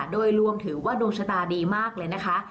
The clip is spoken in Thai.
โดยรวมถือว่าดวงชะตาดีมากเลยนะคะ